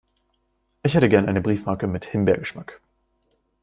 Ich hätte gern eine Briefmarke mit Himbeergeschmack.